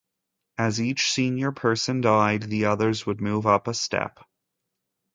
As each senior person died, the others would move up a step.